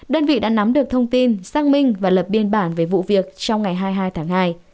đơn vị đã nắm được thông tin xác minh và lập biên bản về vụ việc trong ngày hai mươi hai tháng hai